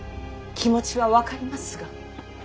気持ちは分かりますが。